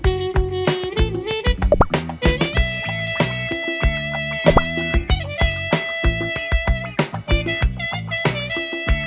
โปรดติดตามต่อไป